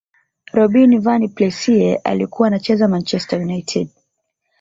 robin van persie alikuwa anacheza manchester united